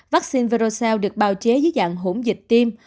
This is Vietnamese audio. vaccine verocell được bào chế dưới dạng hỗn dịch tim